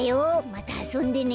またあそんでね。